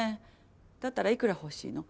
だったらいくら欲しいの？